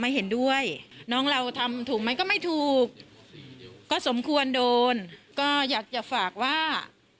เห็นด้วยน้องเราทำถูกไหมก็ไม่ถูกก็สมควรโดนก็อยากจะฝากว่า